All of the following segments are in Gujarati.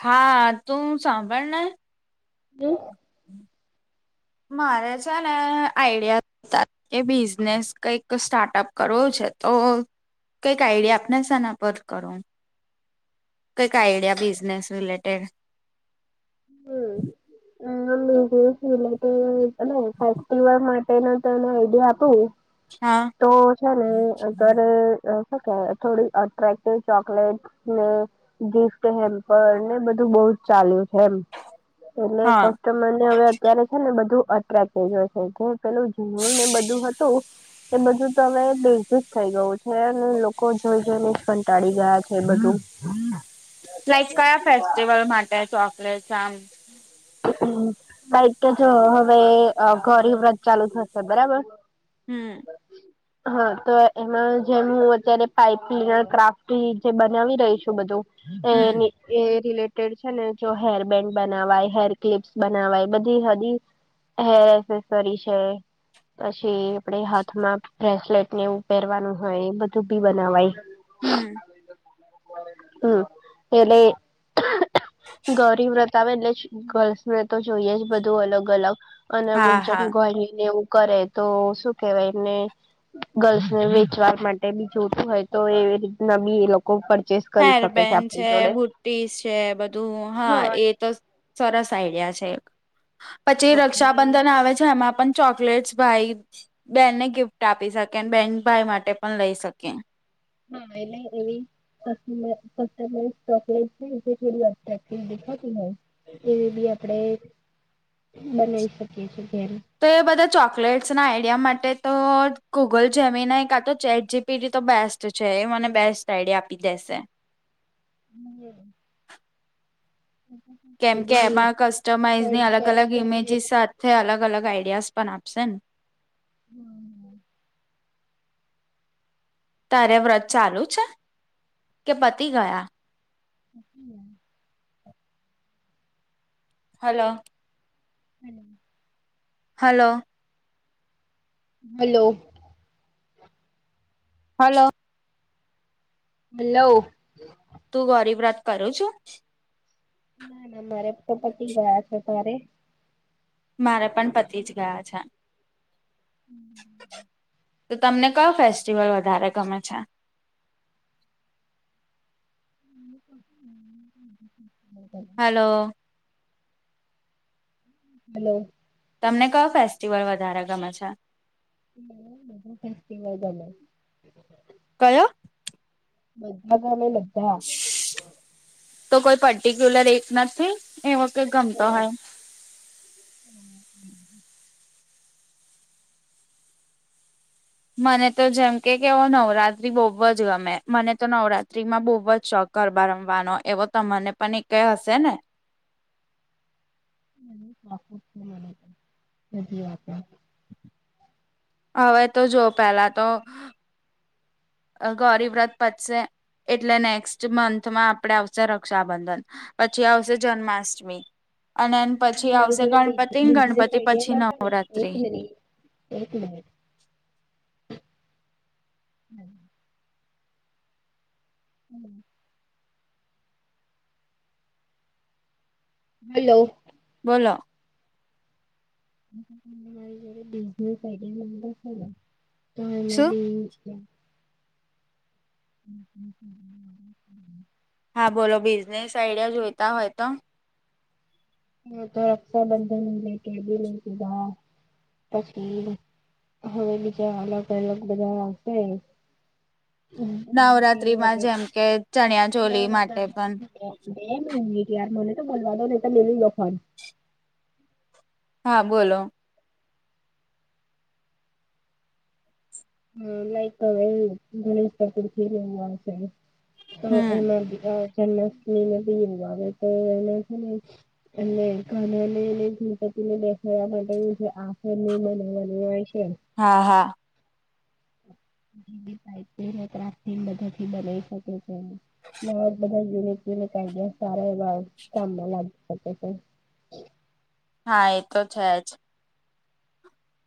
હા તું સાંભળને હમ મારે છેને આઈડિયા તા કે બિઝનેસ કઈક સ્ટાર્ટઅપ કરવો છે તો કઈક આઈડિયા આપણા સના પર કરો કઈક આઈડિયા બિઝનેસ રિલેટેડ હમ્મ [unintelligible] પેન તને આઈડિયા આપું હા તો છે ને અ ઘરે [unintelligible] થોડી અટ્રેક્ટિવ ચોકલેટ ને ગિફ્ટ હેમપર પણ ને બધું બહુ જ ચાલ્યું છે એમ હા એટલે તો મને હવે અત્યારે છે ને બધું [unintelligible] જે પેલું [unintelligible] બધું હતું એ બધું તો હવે બેઝ જ થઈ ગયું છે અને લોકો જોઈ જઈને કંટાળી ગયા છે બધું. [inaudible] લાઈક કયા ફેસ્ટિવલ માટે ચોકલેટ આમ લાઈક કે જો હવે ગોરી વ્રત ચાલુ થશે બરાબર હમ [inaudible] હા તો એમાં જે હું અત્યારે પાઈપ [unintelligible] ક્રાફ્ટ જે બનાવી રહી છું બધું હમ એ એ રિલેટેડ છે ને જો હેરબન્ડ બનાવાય હેર ક્લિપ્સ બનાવાય બધી [unintelligible] હેર એસેસરી છે. પછી આપડે હાથમાં બ્રેસલેટ ને એવું પહેરવાનું હોય બધું બી બનાવાય. હમ્મ. હમ એટલે ગોરી વ્રત આવે એટલે ગર્લ્સને તો જોઈએ જ બધું અલગ અલગ અને હા અમુક જન હા ગણીને એવું કરે તો શું કેવાય એમને ગર્લ્સ ને વેચવા માટે બી જોતું હોય તો એવી રીતના બી એ લોકો પરચેસ હેર બેેન છે બુ્ટી છે બધું હા એ તો સરસ આઈડિયા છે પછી રક્ષાબંધન આવે છે એમાં પણ ચોકલેટ્સ ભાઈ બેનને ગિફ્ટ આપી શકે અને બેન ભાઈ માટે પણ લઈ શકે ના એને એવી. ચોકલેટ થોડી અટક્ટ દેખા તું [inaudible] એવી બી આપણેે બનાવી શકીએ છેએ જેમ. તો એ બધા ચોકલેટ્સ ના આઈડિયા માટે તો ગૂગલ જેમીને કા તો ચેટ જીપીડી તો બેસ્ટ તો છે એ મને બેસ્ટ આઈડિયા આપી દેશે. હ એ [unintelligible] કેમ એ કે બી એમાં કસ્ટમાઈઝ ની સર્ચ અલગ કરી અલગ શકીએ ઈમેજીસ સાથે અલગ અલગ આઈડિયાઝ પણ આપશે ને. હમ [unintelligible] તારે વ્રત ચાલુ છે કે પતિ ગયા. હ [unintelligible] હલો. હમ [unintelligible] હલો. હલો. હલો. હલો. તું ગૌરી વત કરું છું. ના ના મારે તો પતી ગયા છે અત્યારે. મારા પણ પતિ જ ગયા છે. હમ [unintelligible] તો તમને કયો ફેસ્ટિવલ વધારે ગમે છે. હ [unintelligible] હલો. હલો. તમને કયો ફેસ્ટિવલ વધારે ગમે છે. જા ફેસ્ટિવલ બમે [unintelligible] કયો. બધા ગમે બધા. તો કોઈ પર્ટિક્યુલર એક નથી એવ કે ગમતો હોય. હમ હ [unintelligible] મને તો જેમ કે કે ઓ નવરાત્રી બહુ જ ગમે મને તો નવરાત્રી માં બહુ જ શોખ. ગરબા રમવાનો એવો તમને પણ એક હશે ને. પ છે મને પણ હજી વાત [inaudible] હવે તો જો પેલા તો. અ ગૌરી વ્રત પતશે. એટલે નેક્સ્ટ મંથમાં આપણે આવશે રક્ષાબંધન પછી આવશે જન્માષ્ટમી અએન પછી આવશે ગણપતિ ગણપતિ પછી નવરાત્રી. એક મ હ [unintelligible] હમ [unintelligible] હલો. બોલો. રી બિઝનેસ આઈ છે ને શું? તોરી [inaudible] હ [unintelligible] હા બોલો બિઝનેસ આઈડિયા જોતા હોય તો. હ તો રક્ષાબંધન લે કેી લીધા પછી [inaudible] હવે બીજા અલગ અલગ બધા આપે ઈ. નવરાત્રીમાં જેમ કે ચણિયા ચોલી માટે પણ બેે મિનિટ યાર મને તો બોલવા દો નઇ તો મેલી દો ફોન. હા બોલો. હા લાઈક [inaudible] ગણેશ ચતુર્થી ને એવું આવશે એમ. તો હમ એમાં જન્મમી આવે તો એ એટ ઘનાની ગણપતિ ને દેખાડવા માટે આફર બનાવની હોય છે. હા હા. [unintelligible] મથી બનાવી શકે છે એ નાવે જ બધા જીરે જીરે કાયદ સારા એવા કામમાં લાગી શકે છે. હા એ તો છે જ.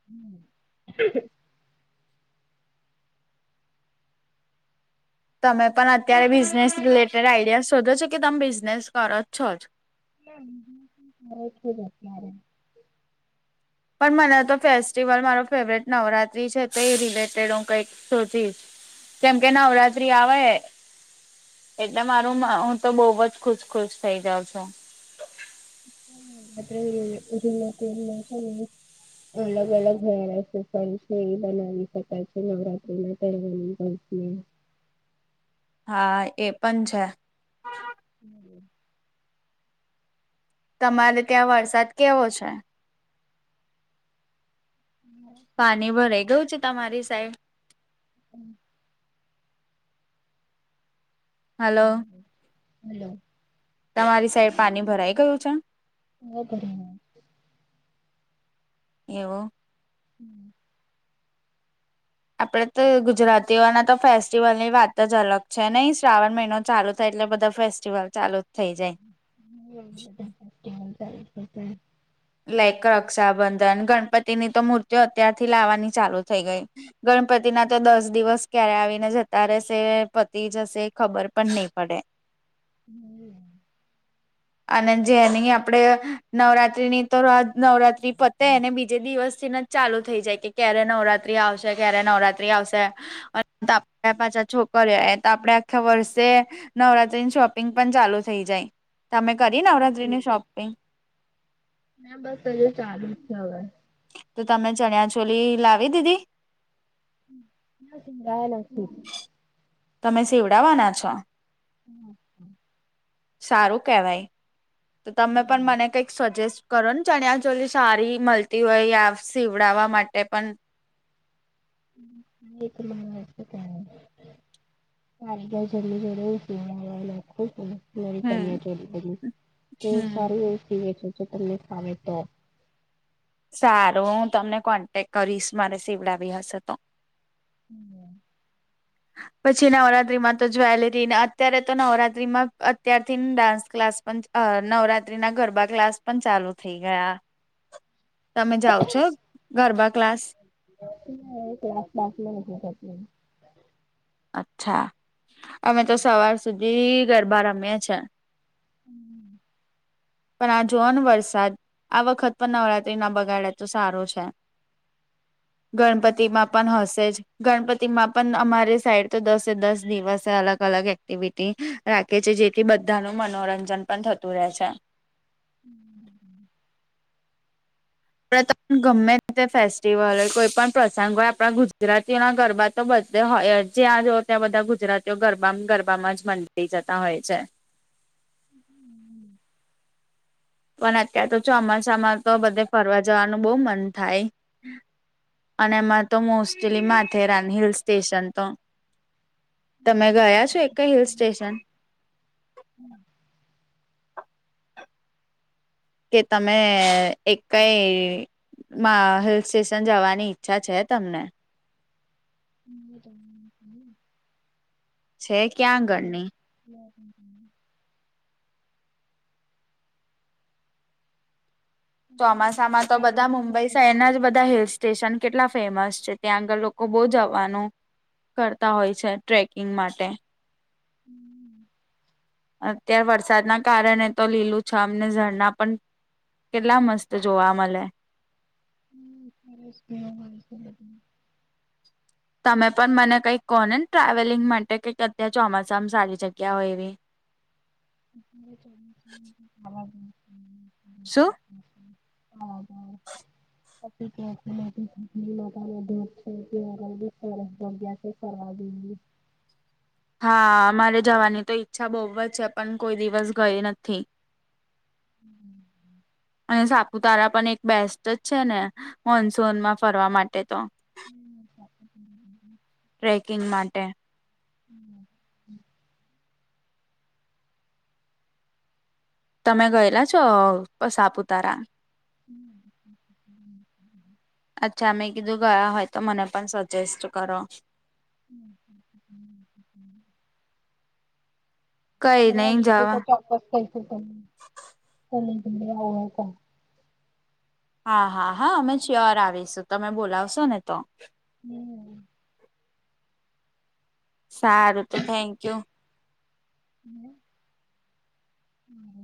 હમ. તમે પણ અત્યારે બિઝનેસ રિલેટેડ આઈડિયા શોધો છો કે તમે બિઝનેસ કરો જ છો જ. ના સ છે જ અત્યારે. પણ મને તો ફેસ્ટિવલ મારો ફેવરેટ નવરાત્રી છે તો એ રિલેટેડ હું કંઈક. ોચીશ કેમ કે નવરાત્રી આવે એદ મારું હું. તો બહુ જ ખુશ ખુશ થઇ જાવ છો. આપડે હ એલા કે એ શોને. અલગ અલગ રહેળ છે ફણ છે એ બનાવી શકાય છે નવત્રી ના તની પણ. હમ. હા એ પણ છે. હમ તમારે ત્યાં વરસાદ કેવો છે. હમ. પાણી ભરાઈ ગયું છે તમારી સાઈડ? હમ. હાલો. હલો. તમારી સાઈડ પાણી ભરાઈ ગયું છે. ઓ બરા. એવું. હમ. આપડે તો ગુજરાતીઓના તો ફેસ્ટિવલ ની વાત જ અલગ છે નહી શ્રાવણ મહિનો ચાલુ થાય એટલે બધા ફે ચાલુ જ થઇ જાય. એ હંતારે ત્યાં તાજ લેકક રક્ષાબંધન ગણપતિ ની તો મૂર્તિઓ અત્યારથી લાવાની ચાલુ થઈ ગઈ. ગણપતિ ના તો દસ દિવસ ક્યારે આવીને જતા રેહેશે પતિ જશે ખબર પણ ની પડે. [inaudible] હમ. આને જેની આપડે નવરાત્રીની તોવ રાજ નવરાત્રી પતેને બીજે દિવસથી નેજ ચાલુ થઈ જાય કે, ક્યારે નવરાત્રી આવશે, ક્યારે નવરાત ટ્રે આવશે અન તાપ આપ પાછા છોકરે એ તો આપણે આખા વર્ષે નવરાત્રીન શોપિંગ પણ ચાલુ થઈ જાય તામે કરી નવરાત્રીની શોપિંગ. ના, બસ હજુ ચાલુ જ છે અવે. તો તમે ચણિયા ચોલી લાવી દીધી. કયા લખ્યું. તમે સીવડાવાના છો? હમ હમ. સારું કેવાય તો તમે પણ મને કઈક સજેસ્ટ કરો ન ચણ્યા ચોલી સારી મલતી હોય આવ સીવડાવા માટે પન [unintelligible] મારી ઘેર જલ્લી [inaudible] નારી હમ ચનીયા હમ ચોલી [inaudible] ફાવે તો સારું હું તમને કોન્ટેક કરીશ મારે શીવડાવી હશે તો. હમમ. પછી નવરાત્રીમાં તો જ્વેલેરીને અત્યારે તો નવરાત્રીમાં અત્યારથી ન ન ન ડાન્સ ક્લાસ પણ ચા અ નવરાત્રી ના ગરબા ક્લાસ પણ ચાલુ થઈ ગયા. તમે જાવ છો ગરબા ક્લાસ. [inaudible] અચ્છા, અમે તો સવાર સુધી ગરબા રમીએ છે. હમ્મ પણ આ જોઓન વરસાદ આ વખત પણ નવરાત્રી ના બગાડે તો સારુ છે. ગણપતિમાં પન હશે જ. ગણપતિમાં પણ અમારી સાઈડ તો દસે દસ દિવસ અલગ અલગ એક્ટિવિટી રાખે છે જેથી બધ્ધાનું મનોરંજન પણ થતું રેહ છે. હમ પણે ત ગમ્મે તે ફેસ્ટિવલ ઓય કોઈ પણ પ્રસંગ ઓય આપણા ગુજરાતીઓના ગરબા તો બધ્ધે હોય જ્યાં જો ત્યાં બધા ગુજરાતીઓ ગરબામ ગરબામાં જ મંદી જતા હોય છે. [inaudible] પણ અત્યાર તો ચોમાસામાં તો બધે ફરવા જવાનું બો મન થાય. અને માં તો મોસ્ટેલી માથેરાન હિલ્સ સ્ટેશન તો તમે ગયા છો એક્કેય હિલ્સ સ્ટેશન? હમ કે તમે એક્કઈ મા હિલ્સ સ્ટેશન જવાની ઈચ્છા છે તમને [unintelligible] છે ક્યાં આગળની [inaudible] ચોમાસામાં તો બધા મુંબઈ શેહેરના જ બધા હિલ્સ ટેશન કેટલા ફેમસ છે ત્યાં આગળ લોકો બો જવાનું કરતા હોય છે ટ્રેકિંગ માટે. હમ અત્યાર વરસાદના કારણે તો લીલું છમ ને ઝરના પણ કેટલા મસ્ત જોવા મલે. [unintelligible] તમે પણ મને કઈક કહો ને ને ટ્રાવેલિંગ માટે કઈક અત્યારે ચોમાસામાં સારી જગ્યા હોય એવી [inaudible] શું હા [inaudible] [inaudible] હા મારે જવાની તો ઈચ્છા બહુ જ છે પણ કોઈ દિવસ ગઈ નથી હમ [unintelligible] અને સાપુતારા પણ એક બેસ્ટ જ છે ને મોનસૂનમાં ફરવા માટે તો હમ ટ્રેકિંગ માટે હમ તમે ગયેલા છો સાપુતારા અચ્છા મેં કીધું ગયા હોય તો મને પણ સજેસ્ટ કરો કઈ [inaudible] નઈ જવા [inaudible] હા હા હા અમે શ્યોર આવીશું તમે બોલાવશો ને તો હમ સારું તો થેન્ક યુ હમ હમ